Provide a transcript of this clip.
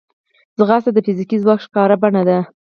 ځغاسته د فزیکي ځواک ښکاره بڼه ده